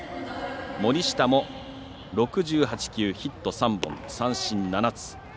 森下も６８球、ヒット３本三振７つ。